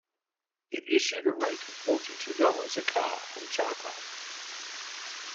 It issued a rate of forty two dollars a car on charcoal.